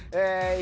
今！